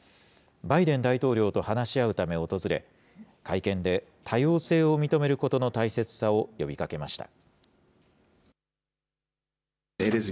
バイデン大統領と話し合うため訪れ、会見で多様性を認めることの大切さを呼びかけました。